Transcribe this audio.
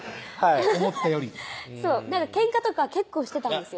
思ったよりケンカとか結構してたんですよ